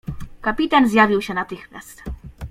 "Kapitan zjawił się natychmiast."